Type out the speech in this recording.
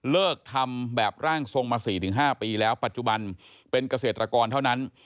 เลิกทำแบบร่างทรงมา๔๕ปีแล้วปัจจุบันเป็นเกษตรกรเท่านั้น